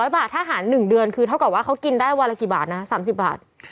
๐บาทถ้าหาร๑เดือนคือเท่ากับว่าเขากินได้วันละกี่บาทนะ๓๐บาท